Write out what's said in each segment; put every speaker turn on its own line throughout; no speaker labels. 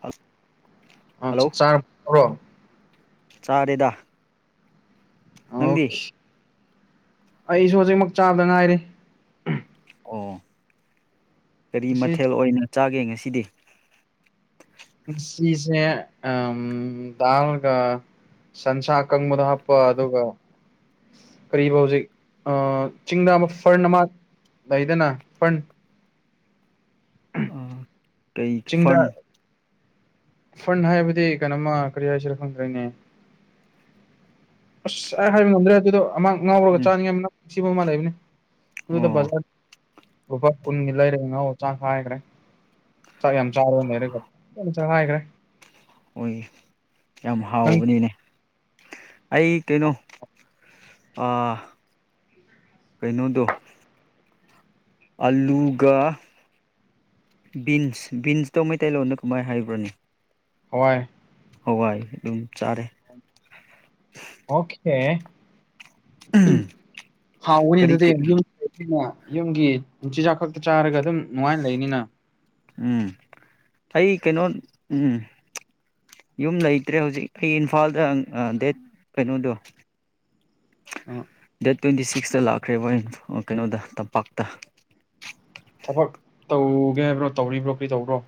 ꯍꯜ
ꯑ
ꯍꯜꯂꯣ
ꯆꯥꯛ ꯆꯔꯕ꯭ꯔꯣ
ꯆꯥꯔꯦꯗꯥ
ꯑꯣ ꯑꯩꯁꯨ ꯍꯧꯖꯤꯛꯃꯛ ꯆꯥꯕꯗ ꯉꯥꯏꯔꯤ
ꯑꯣ ꯀꯔꯤ
ꯉꯁꯤ
ꯃꯊꯦꯜ ꯑꯣꯏꯅ ꯆꯥꯒꯦ ꯉꯁꯤꯗꯤ
ꯉꯁꯤꯁꯦ ꯑ ꯗꯜ ꯒ ꯁꯟꯁ ꯑꯀꯪꯕꯗꯣ ꯍꯥꯞꯄ ꯑꯗꯨꯒ ꯀꯔꯤꯕ ꯍꯧꯖꯤꯛ ꯑ ꯆꯤꯡꯗ ꯑꯃ ꯐꯔꯟ ꯑꯃ ꯂꯩꯗꯅ ꯐꯔꯟ
ꯑꯥ ꯀꯩ
ꯆꯤꯡꯗ
ꯐꯟ
ꯐꯔꯟ ꯍꯥꯏꯕꯗꯤ ꯀꯩꯅꯣꯃ ꯀꯔꯤ ꯍꯥꯏꯁꯤꯔ ꯈꯪꯗꯔꯦꯅꯦ ꯑꯁ ꯑꯩ ꯍꯥꯏꯕ ꯉꯝꯗ꯭ꯔꯦ ꯑꯗꯨꯗꯣ ꯑꯃꯥꯡ ꯉꯥꯎꯔꯒ
ꯎꯝ
ꯆꯥꯅꯤꯡꯉꯥꯏ ꯃꯅꯝ ꯅꯨꯡꯁꯤꯕ ꯑꯃ ꯂꯩꯕꯅꯤ ꯑꯗꯨꯗ
ꯑꯣ
ꯕꯖꯥꯔ ꯂꯨꯄꯥ ꯀꯨꯟꯒꯤ ꯂꯩꯔꯦꯒ ꯉꯧꯔꯒ ꯆꯈꯥꯏꯈ꯭ꯔꯦ ꯆꯥꯛ ꯌꯥꯝ ꯆꯥꯔꯣ ꯂꯩꯔꯒ ꯌꯥꯝ ꯆꯈꯥꯏꯈ꯭ꯔꯦ
ꯍꯣꯏ ꯌꯥꯝ
ꯅꯪꯗꯤ
ꯍꯥꯎꯕꯅꯤꯅꯦ ꯑꯩ ꯀꯩꯅꯣ ꯑꯥ ꯀꯩꯅꯣꯗꯣ ꯑꯂꯨꯒ ꯕꯤꯟꯁ ꯕꯤꯟꯁꯇꯣ ꯃꯩꯇꯩꯂꯣꯟꯗ ꯀꯃꯥꯏꯅ ꯍꯥꯏꯕ꯭ꯔꯅꯦ
ꯍꯋꯥꯏ
ꯍꯋꯥꯏ ꯑꯗꯨꯝ ꯆꯥꯔꯦ
ꯑꯣꯈꯦ ꯍꯥꯎꯕꯅꯦ
ꯀꯔꯤ
ꯑꯗꯨꯗꯤ
ꯀꯔꯤ
ꯌꯨꯝ ꯑꯩꯅ ꯌꯨꯝꯒꯤ ꯆꯤꯖꯥꯛ ꯈꯛꯇ ꯆꯥꯔꯒ ꯑꯗꯨꯝ ꯅꯨꯡꯉꯥꯏꯅ ꯂꯩꯅꯤꯅ
ꯎꯝ ꯑꯩ ꯀꯩꯅꯣ ꯎꯝ ꯌꯨꯝ ꯂꯩꯇ꯭ꯔꯦ ꯍꯧꯖꯤꯛ ꯑꯩ ꯏꯝꯐꯥꯜꯗ ꯗꯦꯠ ꯀꯩꯅꯣꯗꯣ [unintelligible]
ꯑꯥ
ꯗꯦꯠ ꯇ꯭ꯋꯦꯟꯇꯤ ꯁꯤꯛꯁꯇ ꯂꯥꯛꯈ꯭ꯔꯦꯕ ꯑꯩ ꯑꯥ ꯀꯩꯅꯣꯗ ꯇꯝꯄꯥꯛꯇ
ꯊꯕꯛ ꯇꯧꯒꯦ ꯍꯥꯏꯕ꯭ꯔꯣ ꯇꯧꯔꯤꯕ꯭ꯔꯣ ꯀꯩꯗꯧꯕ꯭ꯔꯣ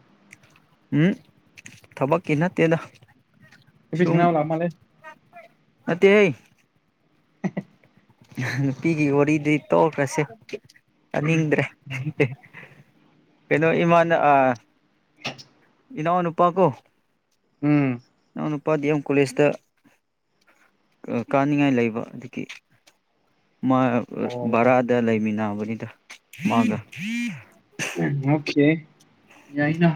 ꯎꯝ ꯊꯕꯛꯀꯤ ꯅꯠꯇꯦꯗ
ꯅꯨꯄꯤ
ꯁꯨꯝ
ꯊꯦꯡꯅꯕ ꯂꯥꯛ ꯃꯥꯜꯂꯦ
ꯅꯠꯇꯦꯍꯦ
[unintelligible]
ꯅꯨꯄꯤꯒꯤ ꯋꯥꯔꯤꯗꯤ ꯇꯣꯛꯈ꯭ꯔꯁꯦ ꯇꯅꯤꯡꯗ꯭ꯔꯦ ꯀꯩꯅꯣ ꯏꯃꯥꯅ ꯑ
[unintelligible]
ꯏꯅꯥꯎ ꯅꯨꯨꯄꯥꯀꯣ
ꯎꯝ
ꯏꯅꯥꯎ ꯅꯨꯄꯥ ꯗꯤ ꯑꯦꯝ ꯀꯣꯂꯦꯖꯇ ꯑ ꯀꯥꯅꯤꯡꯉꯥꯏ ꯂꯩꯕ ꯑꯗꯨꯒꯤ ꯃꯥ ꯑ
ꯑꯣ
ꯚꯥꯔꯥꯗ ꯂꯩꯃꯤꯟꯅꯕꯅꯤꯗ ꯃꯥꯒ
ꯎꯝ ꯑꯣꯈꯦ ꯌꯥꯏꯅ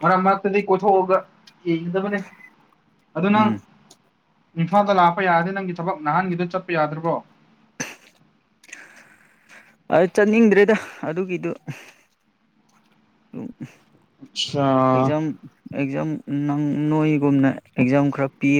ꯃꯔꯛ ꯃꯔꯛꯇꯗꯒꯤ ꯀꯣꯏꯊꯣꯛꯑꯒ ꯌꯦꯡꯒꯗꯕꯅꯦ ꯑꯗꯨ ꯅꯪ
ꯎꯝ
ꯏꯝꯐꯥꯜꯗ ꯂꯥꯛꯄ ꯌꯥꯔꯗꯤ ꯅꯪꯒꯤ ꯊꯕꯛ ꯅꯍꯥꯟꯒꯤꯗꯣ ꯆꯠꯄ ꯌꯥꯗ꯭ꯔꯕꯣ
ꯑꯩ ꯆꯠꯅꯤꯡꯗ꯭ꯔꯦꯗ ꯑꯗꯨꯒꯤꯗꯨ
ꯑꯆꯥ
ꯑꯦꯛꯖꯥꯝ ꯑꯦꯛꯖꯥꯝ ꯅꯪ ꯅꯣꯏꯒꯨꯝꯅ ꯑꯦꯛꯖꯥꯝ ꯈꯔ ꯄꯤ